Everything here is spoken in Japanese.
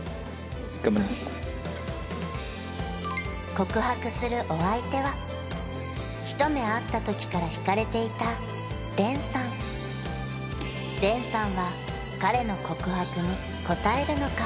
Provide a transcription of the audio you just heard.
告白するお相手は一目会った時からひかれていたＲＥＮさんＲＥＮさんは彼の告白に応えるのか？